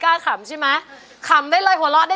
ยังไม่มีให้รักยังไม่มี